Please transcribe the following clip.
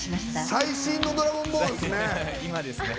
最新の「ドラゴンボール」っすね。